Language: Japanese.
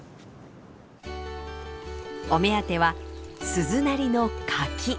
お目当ては鈴なりの柿！